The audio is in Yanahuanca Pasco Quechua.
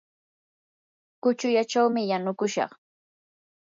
kuchullachawmi yanukushaq.